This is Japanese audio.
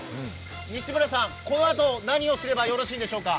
西村さん、このあと、何をすればよろしいんでしょうか。